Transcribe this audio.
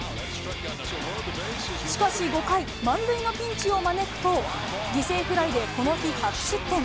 しかし５回、満塁のピンチを招くと、犠牲フライで、この日初失点。